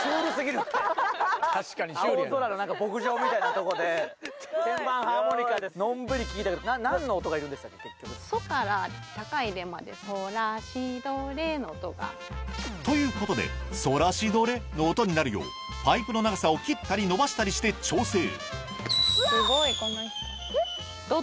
青空の牧場みたいなとこで鍵盤ハーモニカでのんびり聴いたけど。ということで「ソラシドレ」の音になるようパイプの長さを切ったりのばしたりして調整うわ！